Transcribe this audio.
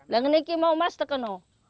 nah ini juga